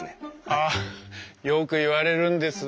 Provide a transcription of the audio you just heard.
あよく言われるんです。